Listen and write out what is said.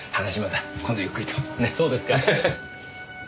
そうですか。